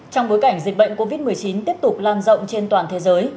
trong bối cảnh dịch bệnh covid một mươi chín tiếp tục lan rộng trên toàn thế giới